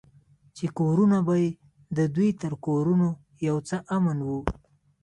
چې کورونه به يې د دوى تر کورونو يو څه امن وو.